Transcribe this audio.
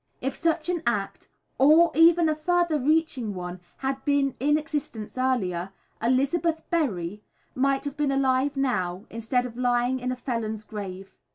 If such an act, or even a further reaching one, had been in existence earlier, Elizabeth Berry might have been alive now instead of lying in a felon's grave.